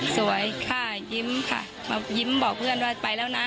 สวยค่ะยิ้มค่ะมายิ้มบอกเพื่อนว่าไปแล้วนะ